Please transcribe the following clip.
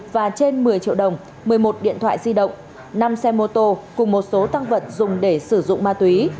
và trên một mươi triệu đồng một mươi một điện thoại di động năm xe mô tô cùng một số tăng vật dùng để sử dụng ma túy